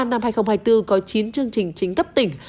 năm hai nghìn hai mươi bốn có chín chương trình chính cấp tỉnh